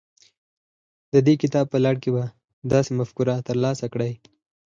د دې کتاب په لړ کې به داسې مفکوره ترلاسه کړئ.